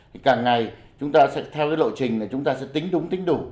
thì càng ngày chúng ta sẽ theo cái lộ trình là chúng ta sẽ tính đúng tính đủ